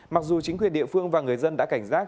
mặc dù chính quyền địa phương và người dân đã cảnh giác